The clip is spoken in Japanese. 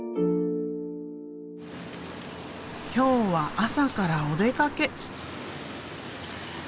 今日は朝からお出かけ。